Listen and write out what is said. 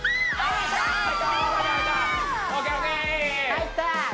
入った！